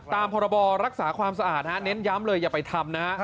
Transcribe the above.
พรบรักษาความสะอาดฮะเน้นย้ำเลยอย่าไปทำนะฮะ